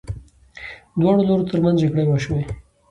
دواړو لورو ترمنځ جګړې وشوې.